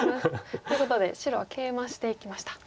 ってことで白はケイマしていきました。